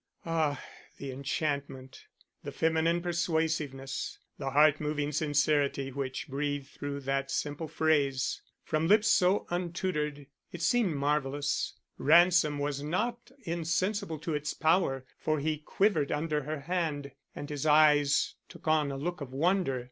Ah! the enchantment, the feminine persuasiveness, the heart moving sincerity which breathed through that simple phrase! From lips so untutored, it seemed marvelous. Ransom was not insensible to its power, for he quivered under her hand and his eyes took on a look of wonder.